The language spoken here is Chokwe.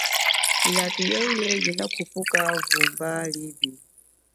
Ilato yeye inakhupuka vumba lipi.